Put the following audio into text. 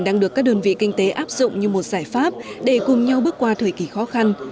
đang được các đơn vị kinh tế áp dụng như một giải pháp để cùng nhau bước qua thời kỳ khó khăn